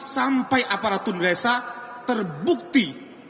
sampai aparatun resa terbukti